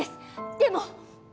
でも。